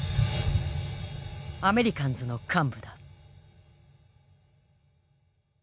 アメリカンズの幹部だ。